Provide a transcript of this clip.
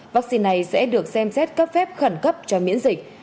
vaccine này sẽ được xem xét cấp phép khẩn cấp cho miễn dịch